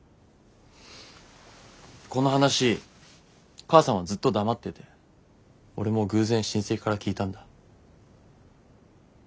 この話母さんはずっと黙ってて俺も偶然親戚から聞いたんだ。